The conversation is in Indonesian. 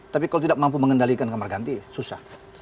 tapi kalau tidak mampu mengendalikan kamar ganti susah